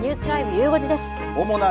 ゆう５時です。